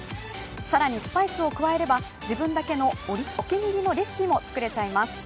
更に、スパイスを加えれば自分だけのお気に入りのレシピも作れちゃいます。